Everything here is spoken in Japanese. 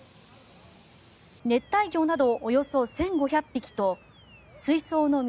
熱帯魚などおよそ１５００匹と水槽の水